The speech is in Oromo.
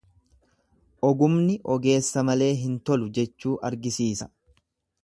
Ogumni ogeessa malee hin tolu jechuu argisiisa.